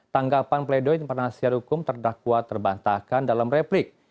tanggapan pledoy penasihat hukum terdakwa terbantahkan dalam replik